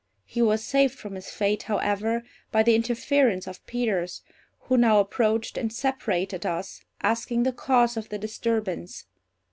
He was saved from his fate, however, by the interference of Peters, who now approached and separated us, asking the cause of the disturbance.